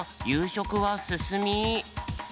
しょくはすすみ。